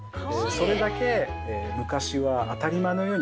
それだけ。